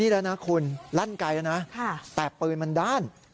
นี่แล้วนะคุณลั่นไกลแล้วนะแต่ปืนมันด้าน